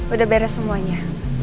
udah beres semuanya